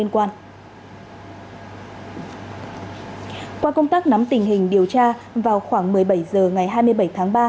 qua công tác nắm tình hình điều tra vào khoảng một mươi bảy h ngày hai mươi bảy tháng ba